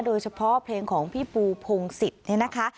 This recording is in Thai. โดยเฉพาะเพลงของพี่ปูพงศิษย์เนี่ยนะคะ